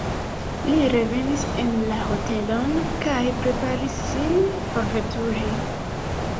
Li revenis en la hotelon kaj preparis sin forveturi.